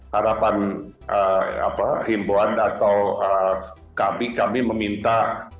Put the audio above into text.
harapan himboan atau kami kami meminta